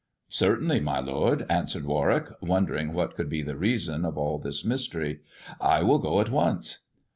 ''" Certainly, . my lord," answered Warwick, wondering what could be the reason of all this mystery ;" I will go at once."